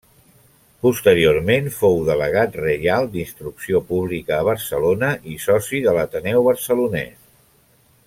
Posteriorment fou delegat reial d'Instrucció Pública a Barcelona i soci de l'Ateneu Barcelonès.